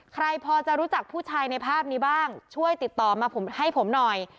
ใครพอจะรู้จักผู้ชายในภาพนี้บ้างช่วยติดต่อมาผมให้ผมหน่อย